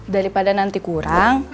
daripada nanti kurang